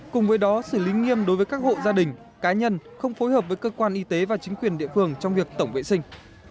cùng với đó xử lý nghiêm đối với các hộ gia đình cá nhân không phối hợp với cơ quan y tế và chính quyền địa phương trong việc tổng vệ sinh